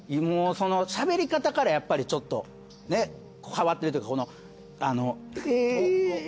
しゃべり方からやっぱりちょっと変わってるというかえ。